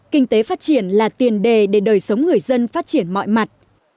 kinh tế phát triển là tiền đề để đời sống người dân phát triển mọi mặt